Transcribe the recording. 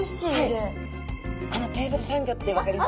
あのテーブルサンギョって分かります？